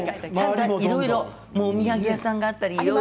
いろいろお土産屋さんがあったり。